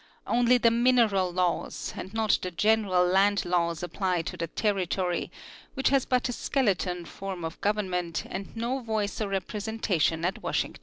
Only the mineral laws and not the general land laws apply to the territory, which has but a skeleton form of government and no voice or representation at Washington.